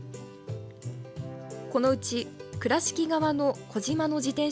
このうち倉敷側の児島のじてん